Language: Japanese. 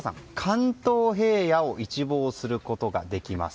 関東平野を一望することができます。